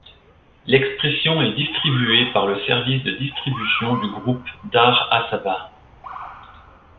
L'Expression est distribué par le service de distribution du groupe Dar Assabah.